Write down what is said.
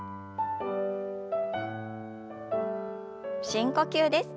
深呼吸です。